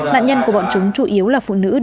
nạn nhân của bọn chúng chủ yếu là phụ nữ